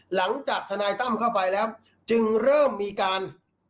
ทนายตั้มเข้าไปแล้วจึงเริ่มมีการ